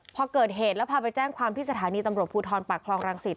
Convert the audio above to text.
พอเกิดเหตุแล้วพาไปแจ้งความที่สถานีตำรวจภูทรปากคลองรังศิษ